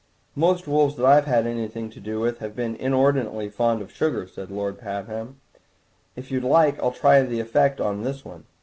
"Most wolves that I've had anything to do with have been inordinately fond of sugar," said Lord Pabham; "if you like I'll try the effect on this one."